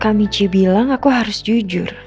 kang michi bilang aku harus jujur